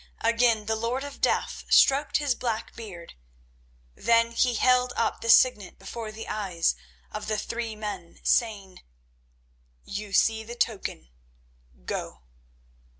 Again the Lord of Death stroked his black beard. Then he held up the Signet before the eyes of the three men, saying: "You see the token. Go."